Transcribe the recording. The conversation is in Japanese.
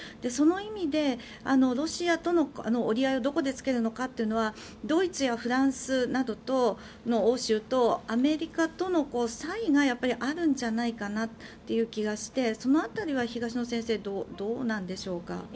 その意味でロシアとの折り合いをどこでつけるのかというのはドイツやフランスなどの欧州とアメリカとの差異があるんじゃないかという気がしてその辺りは東野先生、どうなんでしょうか。